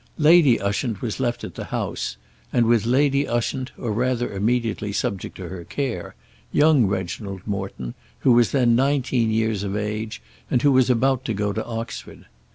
Lady Ushant was left at the house, and with Lady Ushant, or rather immediately subject to her care, young Reginald Morton, who was then nineteen years of age, and who was about to go to Oxford.